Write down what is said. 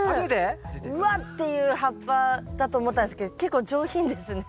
うわっていう葉っぱだと思ったんですけど結構上品ですね。